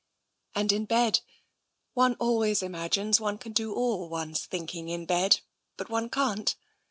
And in bed — one always imagines one can do all one's thinking in bed. But one can't!